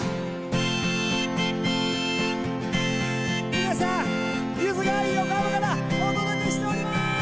皆さん、ゆずが横浜からお届けしております。